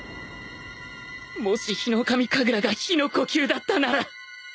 もしヒノカミ神楽が日の呼吸だったなら